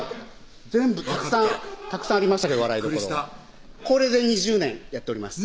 全部たくさんありましたけど笑いどころこれで２０年やっております